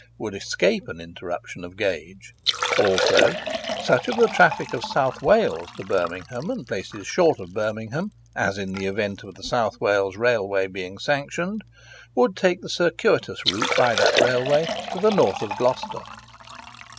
_ would escape an interruption of gauge; also such of the traffic of South Wales, to Birmingham, and places short of Birmingham, as in the event of the South Wales Railway being sanctioned, would take the circuitous route by that Railway to the north of Gloucester.